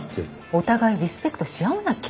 お互いリスペクトし合わなきゃ。